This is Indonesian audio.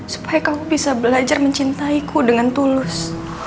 supaya kamu bisa belajar mencintaiku dengan tulus